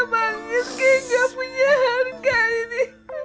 bang irki nggak punya harga ini